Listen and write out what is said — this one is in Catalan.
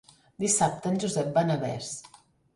Dissabte en Josep va a Navès.